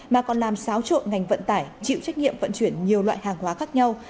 mà còn làm xáo trộn ngành vận tải chịu trách nhiệm vận chuyển nhiều loại hàng hóa khác nhau